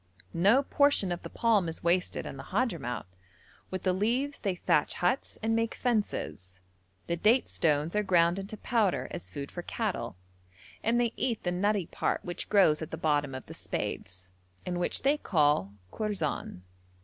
No portion of the palm is wasted in the Hadhramout: with the leaves they thatch huts and make fences, the date stones are ground into powder as food for cattle, and they eat the nutty part which grows at the bottom of the spathes, and which they called kourzan.